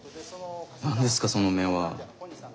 何ですかその目は。